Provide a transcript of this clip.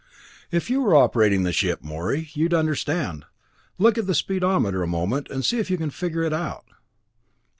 "If you were operating the ship, Morey, you'd understand. Look at the speedometer a moment and see if you can figure it out."